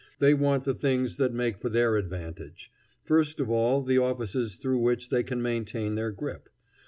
They want the things that make for their advantage; first of all the offices through which they can maintain their grip.